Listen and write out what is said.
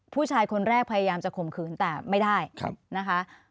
ผู้ชายคนแรกพยายามจะข่มขืนแต่ไม่ได้นะคะ